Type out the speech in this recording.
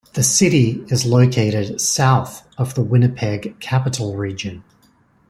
The city is located south of the Winnipeg Capital Region.